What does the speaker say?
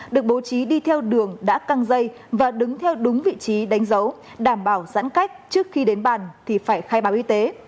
được bố trí đi theo đường đã căng dây và đứng theo đúng vị trí đánh dấu đảm bảo giãn cách trước khi đến bàn thì phải khai báo y tế